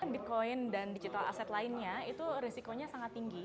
bitcoin dan aset digital lainnya itu risikonya sangat tinggi